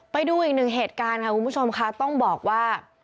ไปดูอีกหนึ่งเหตุการณ์ค่ะคุณผู้ชมค่ะต้องบอกว่า